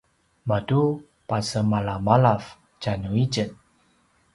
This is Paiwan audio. matu pasemalamalav tjanuitjen